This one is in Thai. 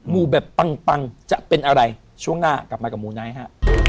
ูแบบปังจะเป็นอะไรช่วงหน้ากลับมากับมูไนท์ฮะ